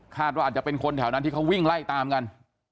ว่าอาจจะเป็นคนแถวนั้นที่เขาวิ่งไล่ตามกัน